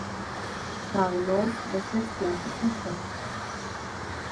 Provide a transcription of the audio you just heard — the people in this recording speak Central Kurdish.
کارلۆس بەسەر چیاکە سەرکەوت.